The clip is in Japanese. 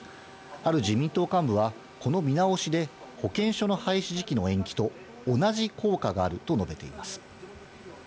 ある自民党幹部は、この見直しで、保険証の廃止時期の延期と同じ効果があると述べています。